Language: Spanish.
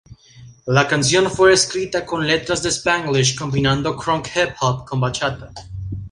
La canción fue escrita con letras de Spanglish combinando crunk hip hop con bachata.